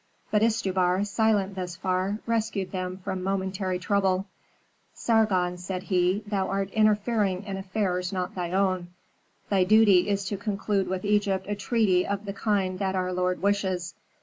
But Istubar, silent thus far, rescued them from momentary trouble. "Sargon," said he, "thou art interfering in affairs not thy own. Thy duty is to conclude with Egypt a treaty of the kind that our lord wishes.